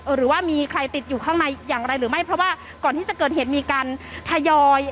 หรือว่ามีใครติดอยู่ข้างในอย่างไรหรือไม่เพราะว่าก่อนที่จะเกิดเหตุมีการทยอย